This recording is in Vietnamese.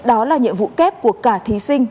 đó là nhiệm vụ kép của cả thí sinh